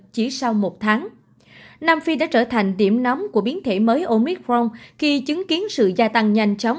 chỉ sau một tháng nam phi đã trở thành điểm nóng của biến thể mới omicron khi chứng kiến sự gia tăng nhanh chóng